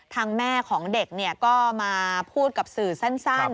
ทางแม่ของเด็กก็มาพูดกับสื่อสั้น